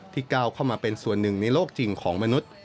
ก้าวเข้ามาเป็นส่วนหนึ่งในโลกจริงของมนุษย์